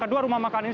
kedua rumah makan ini